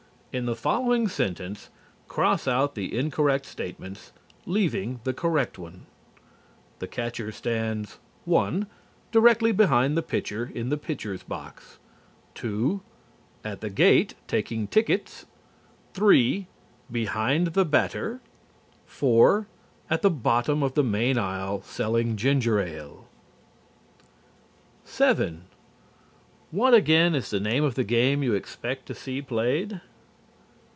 In the following sentence, cross out the incorrect statements, leaving the correct one: The catcher stands (1) directly behind the pitcher in the pitcher's box; (2) at the gate taking tickets; (3) behind the batter; (4) at the bottom of the main aisle, selling ginger ale. 7. What again is the name of the game you expect to see played?